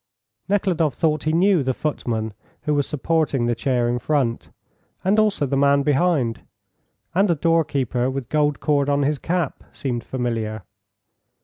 Nekhludoff thought he knew the footman who was supporting the chair in front. And also the man behind, and a doorkeeper with gold cord on his cap, seemed familiar.